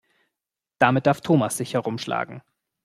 Damit darf Thomas sich herumschlagen.